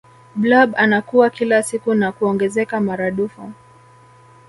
blob anakua kila siku na kuongezeka maradufu